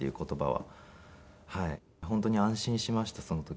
本当に安心しましたその時は。